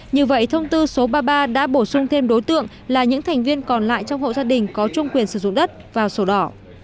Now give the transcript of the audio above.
như vậy thông tư số ba mươi ba đã bổ sung thêm đối tượng là những thành viên còn lại trong hộ gia đình có chung quyền sử dụng đất vào sổ đỏ